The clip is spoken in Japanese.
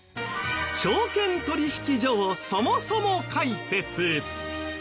証券取引所をそもそも解説。